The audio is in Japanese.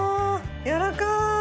やわらかい！